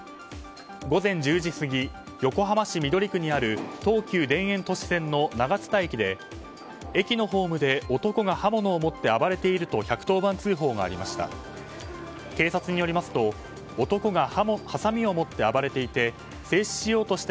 午前１０時過ぎ横浜市緑区にある東急田園都市線の長津田駅で駅のホームで男が刃物を持って暴れていると１１０番通報がありました。